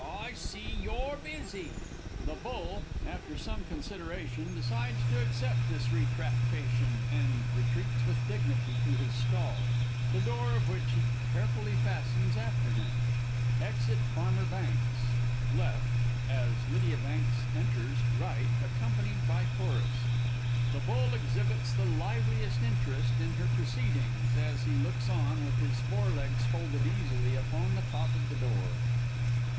I see you're busy! [_The Bull, after some consideration, decides to accept this retractation, and retreats with dignity to his stall, the door of which he carefully fastens after him. Exit_ Farmer BANKS, L., as LYDIA BANKS enters R. _accompanied by Chorus. The Bull exhibits the liveliest interest in her proceedings, as he looks on, with his forelegs folded easily upon the top of the door.